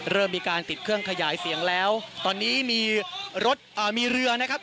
เริ่มมีการติดเครื่องขยายเสียงแล้วตอนนี้มีรถอ่ามีเรือนะครับ